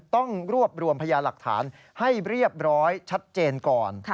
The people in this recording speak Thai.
ต้องรวบรวมพยาหลักฐานให้เรียบร้อยชัดเจนก่อน